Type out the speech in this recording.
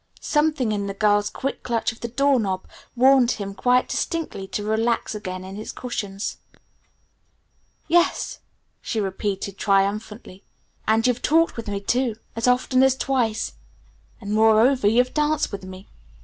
Something in the girl's quick clutch of the door knob warned him quite distinctly to relax again into his cushions. "Yes," she repeated triumphantly. "And you've talked with me too, as often as twice! And moreover you've danced with me!"